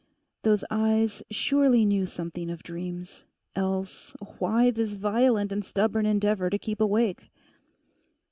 Those eyes surely knew something of dreams, else, why this violent and stubborn endeavour to keep awake.